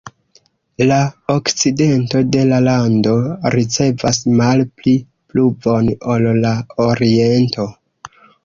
La okcidento de la lando ricevas malpli pluvon ol la oriento.